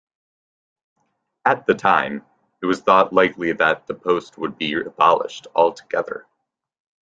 At the time, it was thought likely that the post would be abolished altogether.